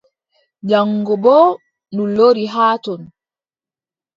Jaŋgo boo ndu lori haa ton.